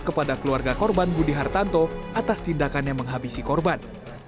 kepada keluarga korban budi hartanto atas tindakannya menghabisi korban